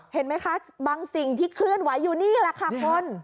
เห็นไหมคะบางสิ่งที่เคลื่อนไหวอยู่นี่แหละค่ะคุณ